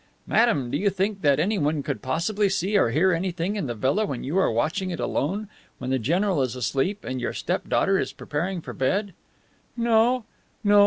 "Madame, do you think that anyone could possibly see or hear anything in the villa when you are watching it alone, when the general is asleep and your step daughter is preparing for bed?" "No. No.